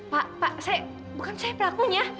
pak pak bukan saya pelakunya